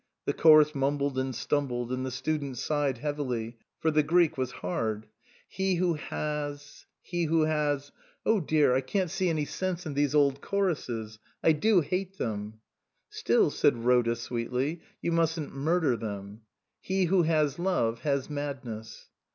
The chorus mumbled and stumbled, and the student sighed heavily, for the Greek was hard. "He who has he who has Oh dear, I can't see T.S.Q. 289 u SUPERSEDED any sense in these old choruses ; I do hate them." " Still," said Bhoda sweetly, " you mustn't murder them. ' He who has love has madness.'